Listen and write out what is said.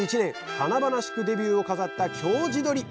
華々しくデビューを飾った京地どり。